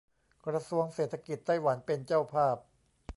กระทรวงเศรษฐกิจไต้หวันเป็นเจ้าภาพ